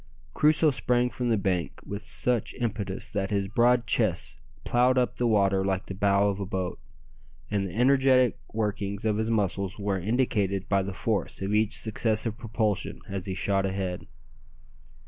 Crusoe sprang from the bank with such impetus that his broad chest ploughed up the water like the bow of a boat, and the energetic workings of his muscles were indicated by the force of each successive propulsion as he shot ahead.